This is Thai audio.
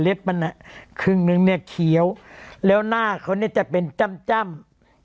เล็บมันอ่ะครึ่งนึงเนี่ยเขียวแล้วหน้าเขานี่จะเป็นจ้ำจ้ำ